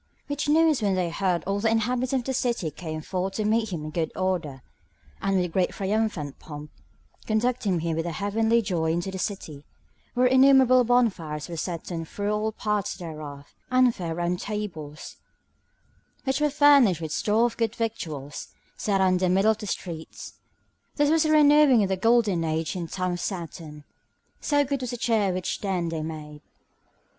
Which news when they heard all the inhabitants of the city came forth to meet him in good order, and with a great triumphant pomp, conducting him with a heavenly joy into the city, where innumerable bonfires were set on through all the parts thereof, and fair round tables, which were furnished with store of good victuals, set out in the middle of the streets. This was a renewing of the golden age in the time of Saturn, so good was the cheer which then they made.